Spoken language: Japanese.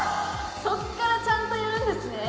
そこからちゃんとやるんですね